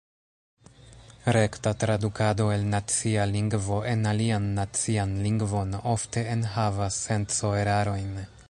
Rekta tradukado el nacia lingvo en alian nacian lingvon ofte enhavas senco-erarojn.